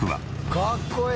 かっこいい！